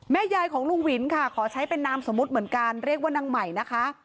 ยายของลุงวินค่ะขอใช้เป็นนามสมมุติเหมือนกันเรียกว่านางใหม่นะคะ